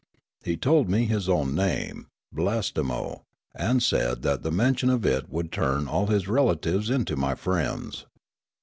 He told me his own name — Blastemo — and said that the mention of it would turn all his relatives into mj' friends.